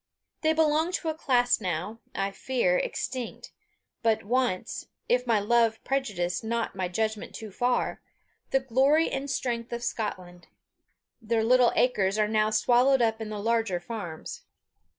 They belong to a class now, I fear, extinct, but once, if my love prejudice not my judgment too far, the glory and strength of Scotland: their little acres are now swallowed up in the larger farms.